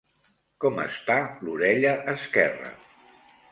Com està l'orella esquerra?